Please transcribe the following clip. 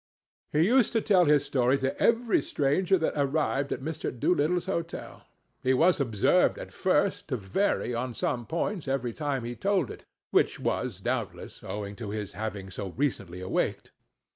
He used to tell his story to every stranger that arrived at Mr. Doolittle's hotel. He was observed, at first, to vary on some points every time he told it, which was, doubtless, owing to his having so recently awaked.